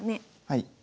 はい。